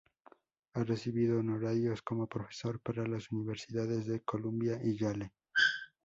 Ha recibido honorarios como profesor por las universidades de Columbia y Yale.